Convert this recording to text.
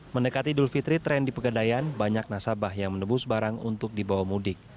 mendekati idul fitri tren di pegadaian banyak nasabah yang menebus barang untuk dibawa mudik